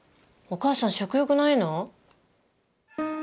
お母さん食欲ないの？